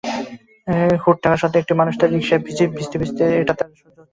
Hood থাকা সত্ত্বেও একটা মানুষ তার রিকশায় ভিজতেভিজতে যাবে এটা তার সহ্য হচ্ছে না।